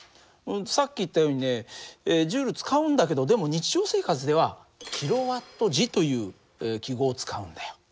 さっき言ったようにねＪ使うんだけどでも日常生活ではｋＷｈという記号を使うんだよ。